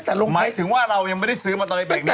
แต่หมายถึงว่าเรายังไม่ได้ซื้อมาตอนในเบรกนี้